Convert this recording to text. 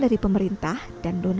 dari pemerintah dan donasi